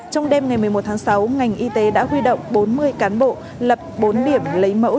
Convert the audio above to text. trong đêm ngày một mươi một tháng sáu ngành y tế đã huy động bốn mươi cán bộ lập bốn điểm lấy mẫu